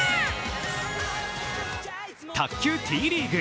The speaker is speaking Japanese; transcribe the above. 卓球Ｔリーグ